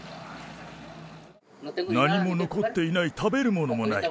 何も残っていない、食べるものもない。